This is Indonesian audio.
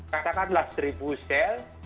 katakanlah seribu sel